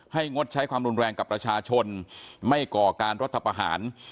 งดใช้ความรุนแรงกับประชาชนไม่ก่อการรัฐประหาร